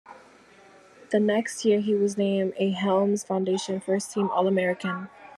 The next year, he was named a Helms Foundation first-team all-American.